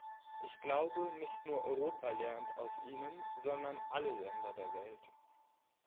Ich glaube, nicht nur Europa lernt aus ihnen, sondern alle Länder der Welt.